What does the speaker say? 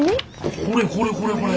これこれこれこれ。